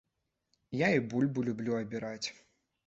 Я і бульбу люблю абіраць.